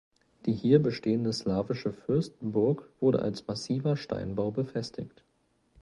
Die hier bestehende slawische Fürstenburg wurde als massiver Steinbau befestigt.